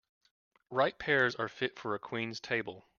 Ripe pears are fit for a queen's table.